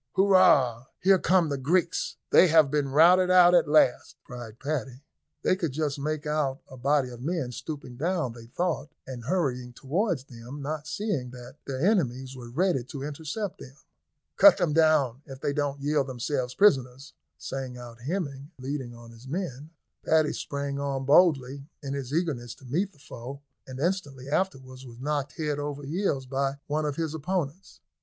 "Hurrah! here come the Greeks, they have been routed out at last," cried Paddy. They could just make out a body of men stooping down, they thought, and hurrying towards them, not seeing that their enemies were ready to intercept them. "Cut them down, if they don't yield themselves prisoners," sang out Hemming, leading on his men. Paddy sprang on boldly, in his eagerness to meet the foe, and instantly afterwards was knocked head over heels by one of his opponents.